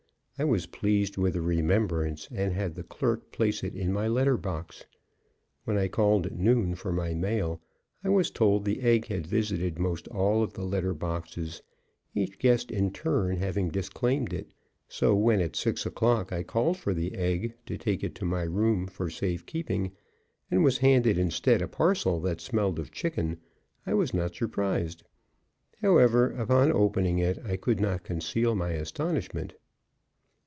I was pleased with the remembrance and had the clerk place it in my letter box. When I called at noon for my mail, I was told the egg had visited most all of the letter boxes, each guest in turn having disclaimed it; so, when at six o'clock I called for the egg to take it to my room for safe keeping, and was handed instead a parcel that smelled of chicken, I was not surprised; however, upon opening it, I could not conceal my astonishment.